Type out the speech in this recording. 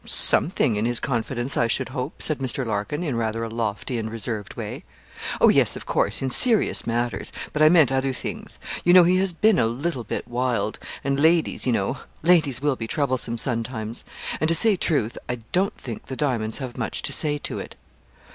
'Something in his confidence, I should hope,' said Mr. Larkin, in rather a lofty and reserved way. 'Oh, yes, of course, in serious matters; but I meant other things. You know he has been a little bit wild; and ladies, you know, ladies will be troublesome sometimes; and to say truth, I don't think the diamonds have much to say to it.'